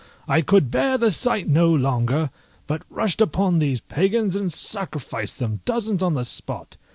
I could bear the sight no longer; but rushed upon these pagans, and sacrificed them by dozens on the spot.